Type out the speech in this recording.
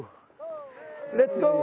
レッツゴー！